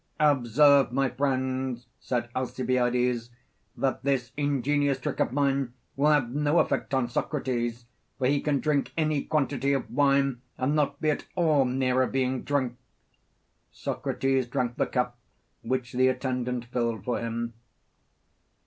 Observe, my friends, said Alcibiades, that this ingenious trick of mine will have no effect on Socrates, for he can drink any quantity of wine and not be at all nearer being drunk. Socrates drank the cup which the attendant filled for him.